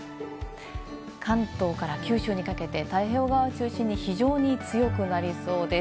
関東から九州にかけて太平洋側を中心に非常に強くなりそうです。